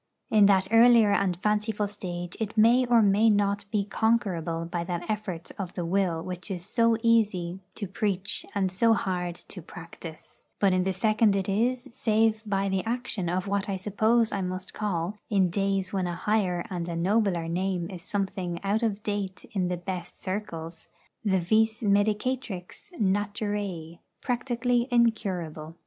In that earlier and fanciful stage it may or may not be conquerable by that effort of the will which is so easy to preach and so hard to practise; but in the second it is, save by the action of what I suppose I must call in days when a higher and a nobler Name is something out of date in the 'best circles' the vis medicatrix 'Naturæ,' practically incurable.